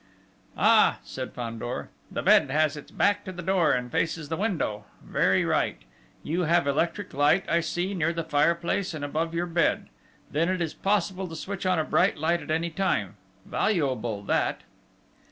"Ah," said Fandor, "the bed has its back to the door, and faces the window. Very right. You have electric light, I see, near the fireplace, and above your bed. Then it is possible to switch on a bright light at any time.... Valuable, that!"